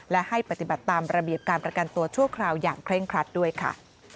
และให้ปฏิบัติตามระเบียบการประกันตัวชั่วคราวอย่างเคร่งครัดด้วยค่ะ